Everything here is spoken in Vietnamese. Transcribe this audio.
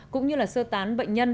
cũng như là sơ tán bệnh nhân